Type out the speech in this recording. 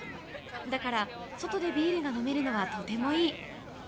だから外でビールが飲めるのはとてもいい。